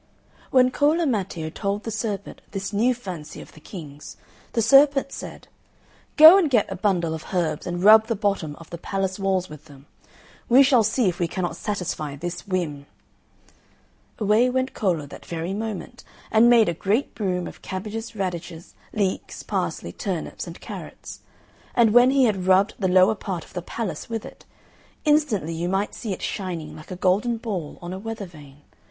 When Cola Matteo told the serpent this new fancy of the King's, the serpent said, "Go and get a bundle of herbs and rub the bottom of the palace walls with them. We shall see if we cannot satisfy this whim!" Away went Cola that very moment, and made a great broom of cabbages, radishes, leeks, parsley, turnips, and carrots; and when he had rubbed the lower part of the palace with it, instantly you might see it shining like a golden ball on a weather vane.